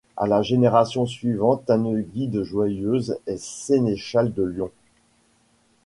À la génération suivante, Tanneguy de Joyeuse est sénéchal de Lyon.